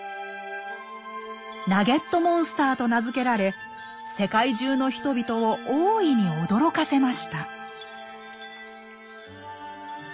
「ナゲットモンスター」と名付けられ世界中の人々を大いに驚かせました。